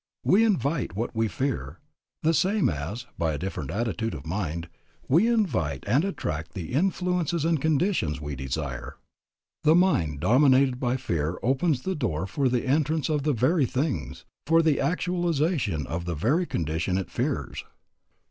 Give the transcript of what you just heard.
_We invite what we fear, the same as, by a different attitude of mind, we invite and attract the influences and conditions we desire_. The mind dominated by fear opens the door for the entrance of the very things, for the actualization of the very conditions it fears.